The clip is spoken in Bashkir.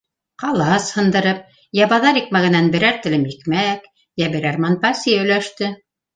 Ҡалас һындырып, йә баҙар икмәгенән берәр телем икмәк, йә берәр монпаси өләште.